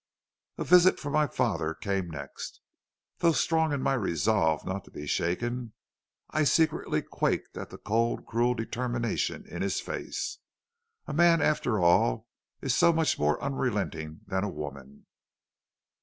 "A visit from my father came next. Though strong in my resolve not to be shaken, I secretly quaked at the cold, cruel determination in his face. A man after all is so much more unrelenting than a woman.